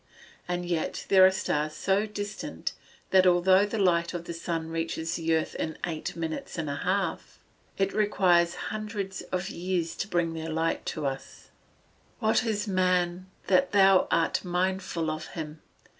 And yet there are stars so distant that, although the light of the sun reaches the earth in eight minutes and a half, it requires hundreds of years to bring their light to us. [Verse: "What is man, that thou art mindful of him?